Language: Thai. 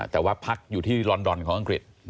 แต่ว่าพักอยู่ที่ลอนดอนของอังกฤษ